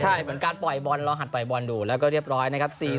ใช่เหมือนการปล่อยบอลลองหัดปล่อยบอลดูแล้วก็เรียบร้อยนะครับ